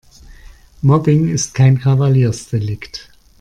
Mobbing ist kein Kavaliersdelikt.